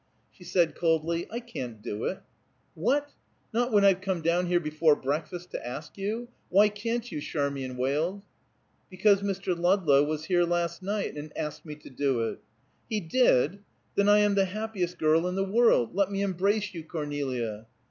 She said coldly, "I can't do it." "What! Not when I've come down here before breakfast to ask you? Why can't you?" Charmian wailed. "Because Mr. Ludlow was here last night, and asked me to do it." "He did? Then I am the happiest girl in the world! Let me embrace you, Cornelia!"